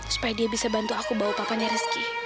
supaya dia bisa bantu aku bawa papanya rizky